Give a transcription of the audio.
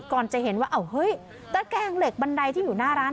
จะเห็นว่าเฮ้ยตะแกงเหล็กบันไดที่อยู่หน้าร้าน